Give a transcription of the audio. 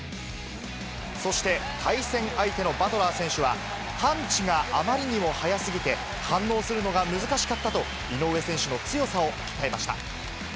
そして対戦相手のバトラー選手は、パンチがあまりにも速すぎて、反応するのが難しかったと、井上選手の強さをたたえました。